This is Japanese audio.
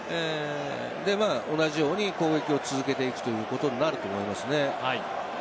同じように攻撃を続けていくということになると思いますね。